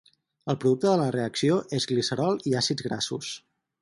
El producte de la reacció és glicerol i àcids grassos.